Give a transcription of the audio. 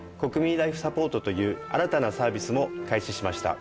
Ｌｉｆｅサポートという新たなサービスも開始しました。